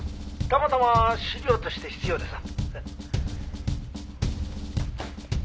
たまたま資料として必要でさ」